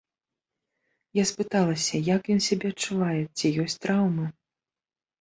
Я спыталася, як ён сябе адчувае, ці ёсць траўмы.